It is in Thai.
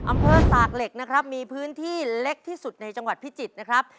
อำเภอตากเหล็กนะครับมีพื้นที่เล็กที่สุดในจังหวัดพิจิตรนะครับ